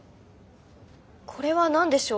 これは何でしょう？